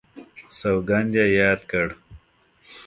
سوګند یې یاد کړ.